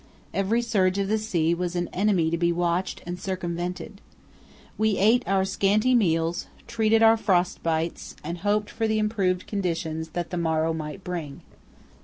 Every surge of the sea was an enemy to be watched and circumvented. We ate our scanty meals, treated our frost bites, and hoped for the improved conditions that the morrow might bring.